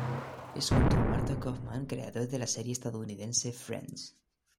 Es junto a Marta Kauffman creador de la serie estadounidense "Friends".